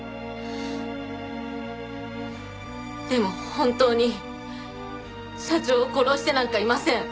でも本当に社長を殺してなんかいません。